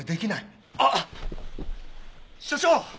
あっ署長！